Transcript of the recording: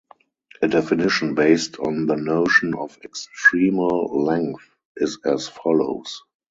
A definition based on the notion of extremal length is as follows.